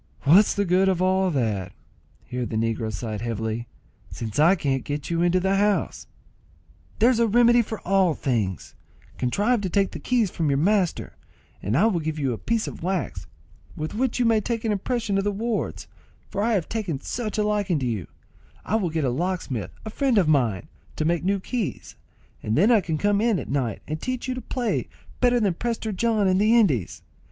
"What's the good of all that," (here the negro sighed heavily,) "since I can't get you into the house?" "There's a remedy for all things: contrive to take the keys from your master, and I will give you a piece of wax, with which you may take an impression of the wards, for I have taken such a liking to you, I will get a locksmith, a friend of mine, to make new keys, and then I can come in at night and teach you to play better than Prester John in the Indies.